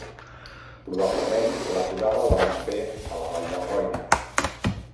Probablement l'aturada la van fer a la vall del Roine.